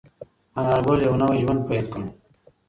انارګل یو نوی ژوند پیل کړ.